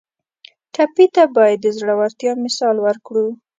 ټپي ته باید د زړورتیا مثال ورکړو.